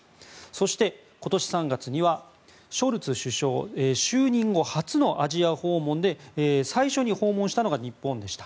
そして、今年３月にはショルツ首相、就任後初のアジア訪問で最初に訪問したのが日本でした。